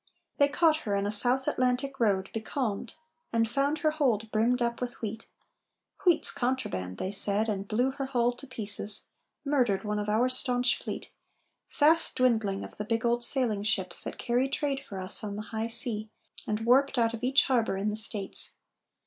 They caught her in a South Atlantic road Becalmed, and found her hold brimmed up with wheat; "Wheat's contraband," they said, and blew her hull To pieces, murdered one of our staunch fleet, Fast dwindling, of the big old sailing ships That carry trade for us on the high sea And warped out of each harbor in the States.